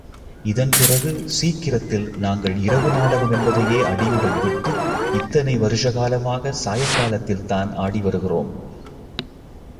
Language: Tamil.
இதன் பிறகு சீக்கிரத்தில் நாங்கள் இரவு நாடகமென்பதையே அடியுடன் விட்டு, இத்தனை வருஷ காலமாக, சாயங்காலத்தில்தான் ஆடி வருகிறோம்.